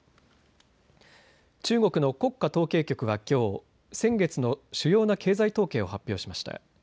中国の国家統計局はきょう先月の主要な経済統計を発表しました。